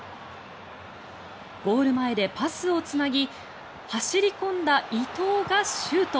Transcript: ゴール前でパスをつなぎ走り込んだ伊東がシュート。